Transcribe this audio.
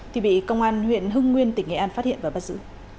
thì bị công an huyện hưng nguyên tỉnh nghệ an phát hiện và bắt giữ